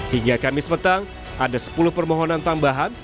hingga kamis petang ada sepuluh permohonan tambahan